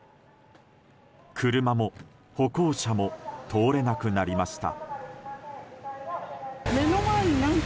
車も歩行者も通れなくなりました。